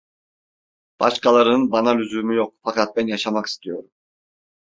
Başkalarının bana lüzumu yok, fakat ben yaşamak istiyorum…